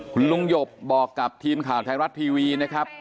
คุณลุงหยบบอกกับทีมข่าวไทยรัฐทีวีนะครับ